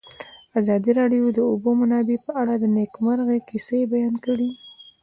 ازادي راډیو د د اوبو منابع په اړه د نېکمرغۍ کیسې بیان کړې.